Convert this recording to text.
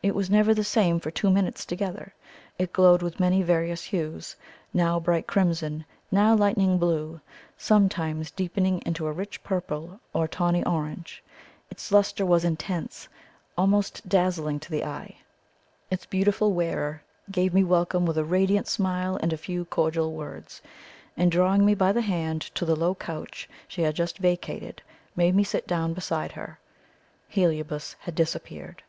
It was never the same for two minutes together. It glowed with many various hues now bright crimson, now lightning blue, sometimes deepening into a rich purple or tawny orange. Its lustre was intense, almost dazzling to the eye. Its beautiful wearer gave me welcome with a radiant smile and a few cordial words, and drawing me by the hand to the low couch she had just vacated, made me sit down beside her. Heliobas had disappeared.